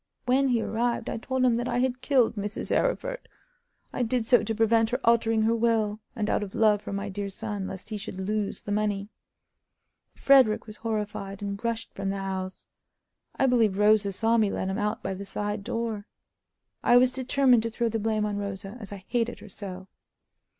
When he arrived I told him that I had killed Mrs. Arryford. I did so to prevent her altering her will, and out of love for my dear son, lest he should lose the money. Frederick was horrified, and rushed from the house. I believe Rosa saw me let him out by the side door. I was determined to throw the blame on Rosa, as I hated her so.